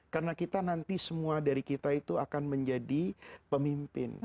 karena kita nanti semua dari kita itu akan menjadi pemimpin